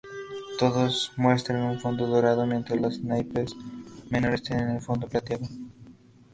Todos muestran un fondo dorado, mientras los naipes menores tienen el fondo plateado.